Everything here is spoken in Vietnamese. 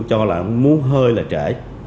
do là muốn hơi là trễ